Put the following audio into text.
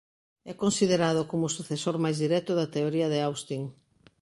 É considerado como o sucesor máis directo da teoría de Austin.